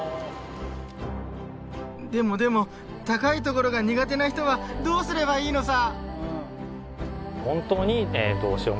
でもでも高い所が苦手な人はどうすればいいのさ？